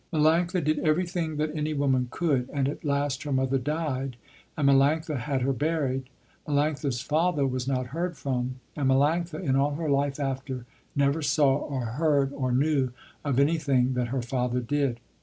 Melanctha did everything that any woman could, and at last her mother died, and Melanctha had her buried. Melanctha's father was not heard from, and Melanctha in all her life after, never saw or heard or knew of anything that her father did.